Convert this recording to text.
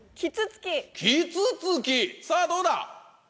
さぁどうだ？